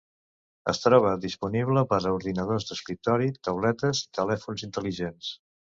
Es troba disponible per a ordinadors d'escriptori, tauletes i telèfons intel·ligents.